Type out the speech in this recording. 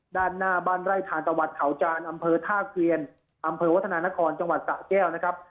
ด้านหน้าบ้านไร่ทานตะวัดเขาจานอำเภอท่าเกวียนอำเภอวัฒนานครจังหวัดสะแก้วนะครับ